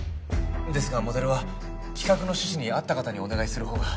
ですがモデルは企画の趣旨にあった方にお願いするほうが。